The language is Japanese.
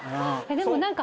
でも何か。